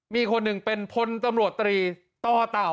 มีคนหนึ่งเป็นพลตำรวจตรีต่อเต่า